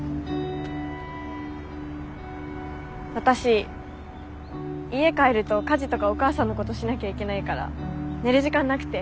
私家帰ると家事とかお母さんのことしなきゃいけないから寝る時間なくて。